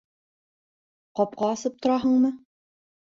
— Ҡапҡа асып тораһыңмы?